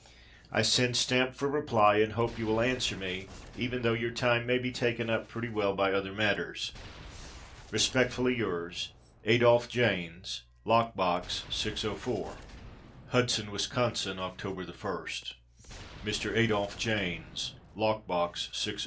I send stamp for reply and hope you will answer me, even though your time may be taken up pretty well by other matters. Respectfully yours, Adolph Jaynes, Lock Box 604. HUDSON, WIS., Oct. 1. _Mr. Adolph Jaynes, Lock Box 604.